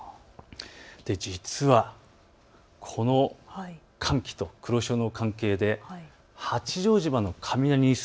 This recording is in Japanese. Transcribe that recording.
実は、この寒気と黒潮の関係で八丈島の雷日数